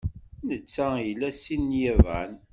Netta ila sin n yiḍan.